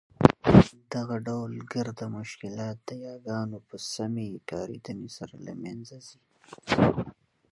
دغه ډول ګرده مشکلات د یاګانو په سمي کارېدني سره له مینځه ځي.